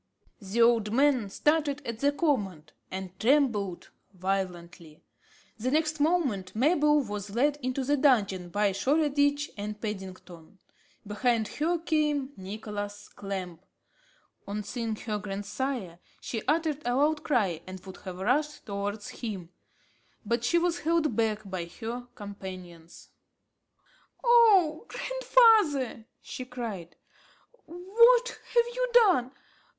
The old man started at the command, and trembled violently. The next moment, Mabel was led into the dungeon by Shoreditch and Paddington. Behind her came Nicholas Clamp. On seeing her grandsire, she uttered a loud cry and would have rushed towards him, but she was held back by her companions. "Oh grandfather!" she cried, "what have you done?